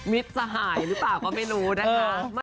จะหายหรือเปล่าก็ไม่รู้นะคะ